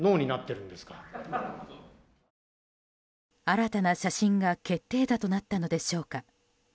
新たな写真が決定打となったのでしょうか。